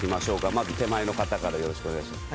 まず手前の方からよろしくお願いします。